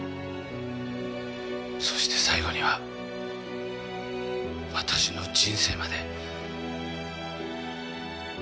そして最後には私の人生まで。